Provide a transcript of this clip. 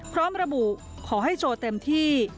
พร้อมระบุขอให้โชว์เต็มที่